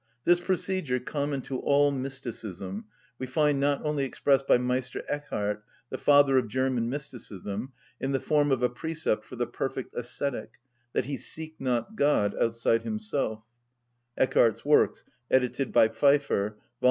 This procedure, common to all mysticism, we find not only expressed by Meister Eckhard, the father of German mysticism, in the form of a precept for the perfect ascetic, "that he seek not God outside himself" (Eckhard's works, edited by Pfeiffer, vol.